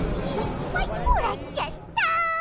いっぱいもらっちゃった！